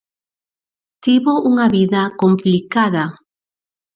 Tivo unha vida complicada.